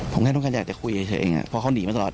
ผมแค่ต้องการอยากจะคุยเฉยเองเพราะเขาหนีมาตลอด